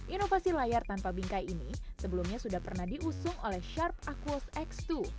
inovasi layar tanpa bingkai ini sebelumnya sudah pernah diusung oleh sharp aquas x dua